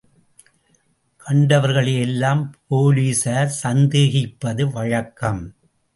கண்டவர்களையெல்லாம் போலிஸார் சந்தேகிப்பது வழக்கம்.